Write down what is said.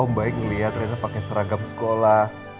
oh om baik ngeliat rena pakai seragam sekolah